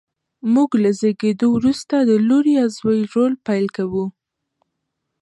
موږ له زېږېدو وروسته د لور یا زوی رول پیل کوو.